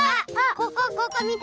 ここここみて。